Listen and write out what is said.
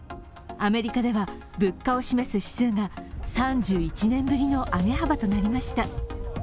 アメリカでは、物価を示す指数が３１年ぶりの上げ幅となりました。